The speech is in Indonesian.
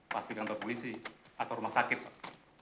pasti kantor polisi atau rumah sakit pak